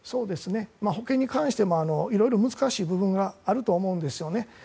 保険に関してもいろいろ難しい部分があると思うんですよね。